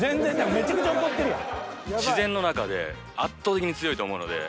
めちゃくちゃ怒ってるやん。